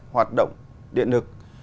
hoạt động điện lực